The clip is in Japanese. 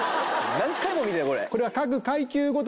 何回も見てるこれ。